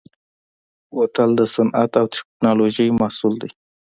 بوتل د صنعت او تکنالوژۍ محصول دی.